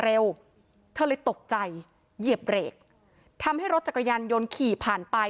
เธอเลยตกใจเหยียบเบรกทำให้รถจักรยานยนต์ขี่ผ่านไป